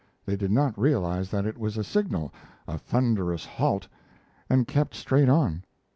They did not realize that it was a signal a thunderous halt and kept straight on.